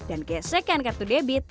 dan gesekan kartu debit